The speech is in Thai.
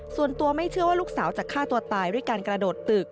ส่วนตัวไม่เชื่อว่าลูกสาวจะฆ่าตัวตายด้วยการกระโดดตึก